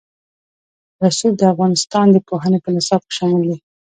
رسوب د افغانستان د پوهنې په نصاب کې شامل دي.